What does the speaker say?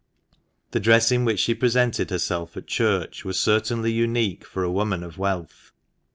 The dress in which she presented herself at church was certainly unique for a woman of wealth.